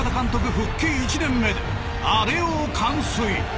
復帰１年目でアレを完遂。